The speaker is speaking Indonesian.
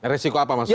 resiko apa maksudnya